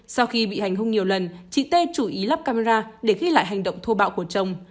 sau khi bị hành hung nhiều lần chị t a t chú ý lắp camera để ghi lại hành động thô bạo của chồng